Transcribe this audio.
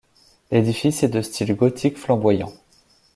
L'édifice est de style gothique flamboyant.